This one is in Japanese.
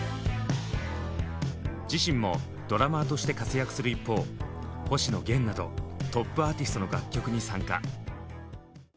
自身もドラマーとして活躍する一方星野源などトップアーティストの楽曲に参加。